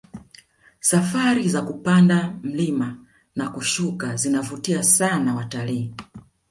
safari za kupanda mlima na kushuka zinavutia sana watalii